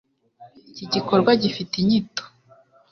Iki gikorwa gifite inyito